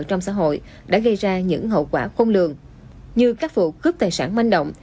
trong xã hội đã gây ra những hậu quả khôn lường như các vụ cướp tài sản manh động